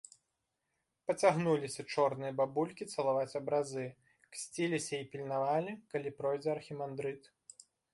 Пацягнуліся чорныя бабулькі цалаваць абразы; ксціліся і пільнавалі, калі пройдзе архімандрыт.